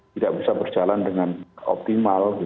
tidak bisa berjalan dengan optimal